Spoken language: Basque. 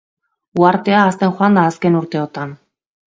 Uhartea hazten joan da azken urteotan.